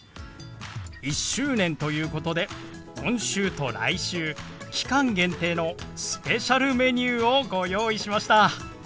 １周年ということで今週と来週期間限定のスペシャルメニューをご用意しました。